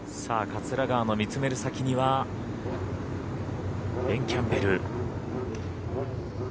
桂川の見つめる先にはベン・キャンベル。